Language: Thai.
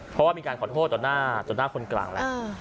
เพราะว่ามีการขอโทษต่อหน้าคนกลาง